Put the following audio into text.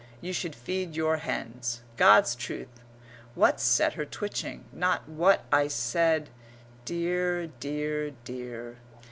You should feed your hens.... God's truth, what's set her twitching? Not what I said? Dear, dear, dear!